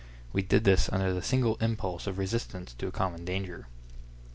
We did this under the single impulse of resistance to a common danger.